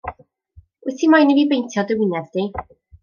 Wyt ti moyn i fi beintio dy winedd di?